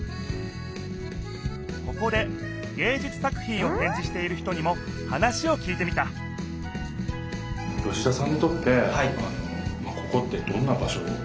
ここでげいじゅつ作ひんをてんじしている人にも話をきいてみた吉田さんにとってここってどんな場所なんですか？